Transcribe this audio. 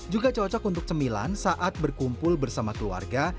juga cocok untuk cemilan saat berkumpul bersama keluarga